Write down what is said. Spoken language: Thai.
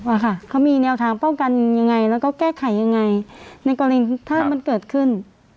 อะค่ะเขามีแนวทางป้องกันยังไงแล้วก็แก้ไขยังไงในกรณีถ้ามันเกิดขึ้น